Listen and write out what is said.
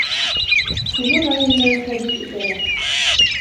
Уны Наил менән Хәдис этәрә.